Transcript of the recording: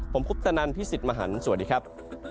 ผมคุปตะนันพี่สิทธิ์มหันฯสวัสดีครับ